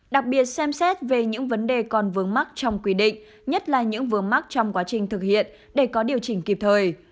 đặc biệt xem xét về những vấn đề còn vướng mắc trong quy định nhất là những vướng mắc trong quá trình thực hiện để có điều chỉnh kịp thời